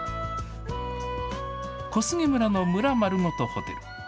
小菅村の村まるごとホテル。